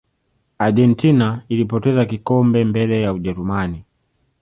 argentina ilipoteza kikombe mbele ya ujerumani